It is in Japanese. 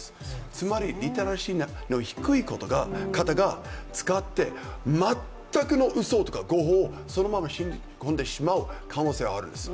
つまりリテラシーの低い方が使って全くのうそとか誤報をそのまま信じ込んでしまう可能性があるんです。